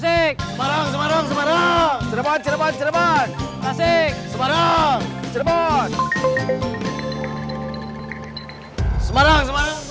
semarang semarang semarang